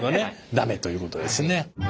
駄目ということですね。